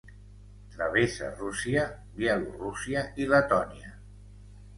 Travessa Rússia, Bielorússia i Letònia.